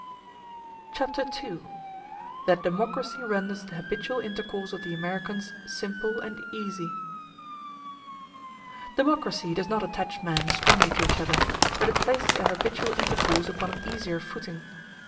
Chapter II: That Democracy Renders The Habitual Intercourse Of The Americans Simple And Easy Democracy does not attach men strongly to each other; but it places their habitual intercourse upon an easier footing.